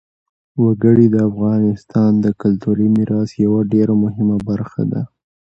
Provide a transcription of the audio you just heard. وګړي د افغانستان د کلتوري میراث یوه ډېره مهمه برخه ده.